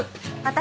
私。